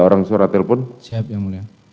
orang suara telpon siap yang mulia